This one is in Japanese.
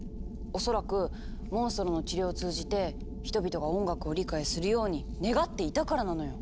恐らくモンストロの治療を通じて人々が音楽を理解するように願っていたからなのよ！